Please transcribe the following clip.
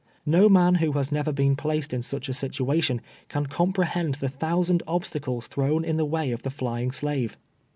Xo man wLo Las never been placed in sucL a situation, can compreliend tlie tLousand obstacles tlirown in tlie way of tlie flying slave.